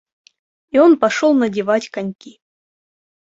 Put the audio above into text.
И он пошел надевать коньки.